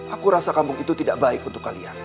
aku rasa kampung itu tidak baik untuk kalian